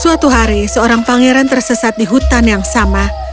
suatu hari seorang pangeran tersesat di hutan yang sama